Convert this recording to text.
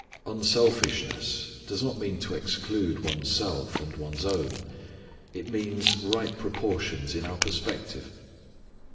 Unselfishness does not mean to exclude one's self, and one's own. It means right proportions in our perspective.